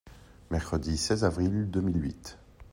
Mercredi seize avril deux mille huit.